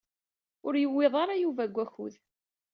Ur yewwiḍ ara Yuba deg wakud.